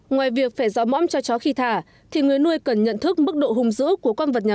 ngoài việc phải dọ mõm cho chó khi thả thì người nuôi cần nhận thức mức độ hung dữ của con vật nhà